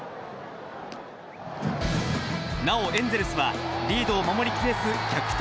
なお、エンゼルスはリードを守り切れず逆転